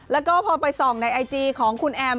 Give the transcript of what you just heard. แล้วก็พอไปส่องในไอจีของคุณแอม